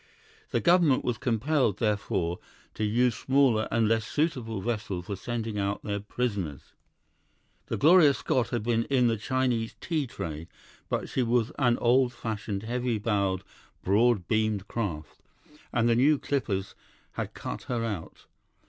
The government was compelled, therefore, to use smaller and less suitable vessels for sending out their prisoners. The Gloria Scott had been in the Chinese tea trade, but she was an old fashioned, heavy bowed, broad beamed craft, and the new clippers had cut her out.